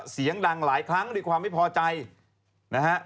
เสียงดังหลายครั้งด้วยความไม่พอใจนะฮะ